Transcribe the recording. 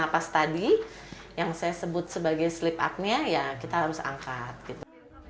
napas tadi yang saya sebut sebagai sleep up nya ya kita harus angkat gitu